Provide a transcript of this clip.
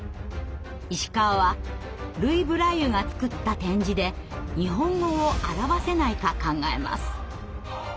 石川はルイ・ブライユが作った点字で日本語を表せないか考えます。